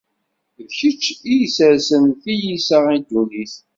D kečč i isersen tilisa i ddunit.